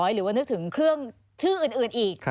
หรือว่านึกถึงเครื่องชื่ออื่นอีก